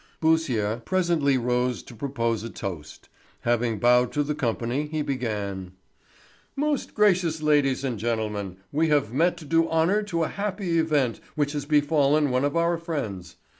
Beausire presently rose to propose a toast. Having bowed to the company, he began: "Most gracious ladies and gentlemen, we have met to do honour to a happy event which has befallen one of our friends.